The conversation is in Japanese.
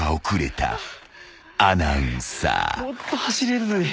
もっと走れるのに。